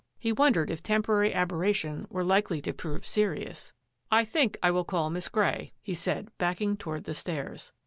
He wondered if temporary aberration were likely to prove serious. " I think I will call Miss Grey," he said, back ing toward the stairs.